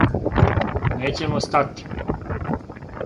Нећемо стати.